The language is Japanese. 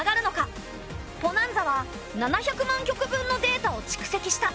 ポナンザは７００万局分のデータを蓄積した。